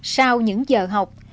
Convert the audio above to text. sau những giờ học